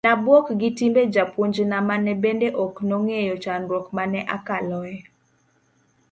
nabuok gi timbe jopunjna mane bende ok nong'eyo chandruok mane akaloe